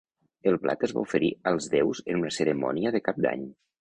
El plat es va oferir als déus en una cerimònia de Cap d'Any.